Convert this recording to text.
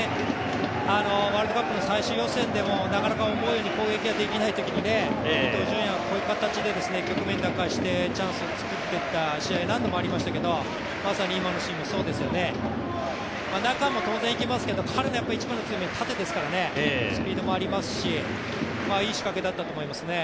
ワールドカップの最終予選でもなかなか思うように攻撃ができないときに伊東純也がこういう形でチャンスを作ってきた試合、何度もありましたけどまさに今のシーンもそうですよね、中も当然いけますけど、彼のやっぱり一番の強みは縦ですからスピードもありますし、いい仕掛けだったと思いますね。